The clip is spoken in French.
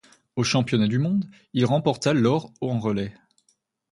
Aux championnats du monde, il remporta l'or en relais.